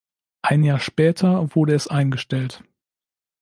Ein Jahr später wurde es eingestellt.